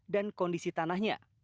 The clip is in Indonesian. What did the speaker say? dan kondisi tanahnya